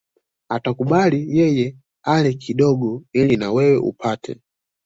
Atakubali yeye ale kidogo ili na wewe upate